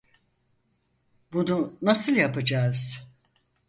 Bunu nasıl yapacağız?